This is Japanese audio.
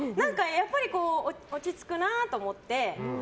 やっぱり落ち着くなと思って。